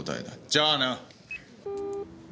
じゃあな。